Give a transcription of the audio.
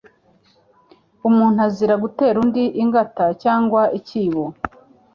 Umuntu azira gutera undi ingata cyangwa ikibo,